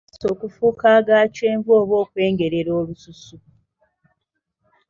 Amaaso okufuuka aga kyenvu oba okwengerera olususu.